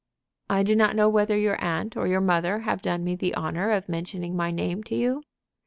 "I do not know whether your aunt or your mother have done me the honor of mentioning my name to you."